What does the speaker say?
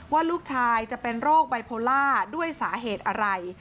ว่าลูกชายจะเป็นโรคไบโพล่าด้วยสาเหตุอะไร